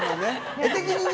画的にね。